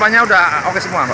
termasuk logistik makanan ya